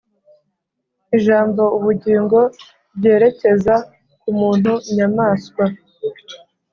Ijambo ubugingo ryerekeza ku muntu inyamaswa